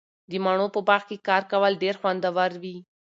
د مڼو په باغ کې کار کول ډیر خوندور وي.